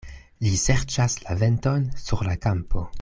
Li serĉas la venton sur la kampo.